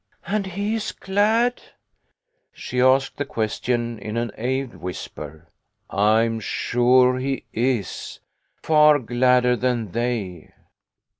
" And he is glad ?" She asked the question in an awed whisper. " I am sure he is ; far gladder than they."